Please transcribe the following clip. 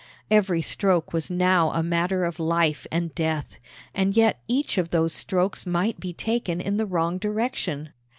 Every stroke was now a matter of life and death, and yet each of those strokes might be taken in the wrong direction.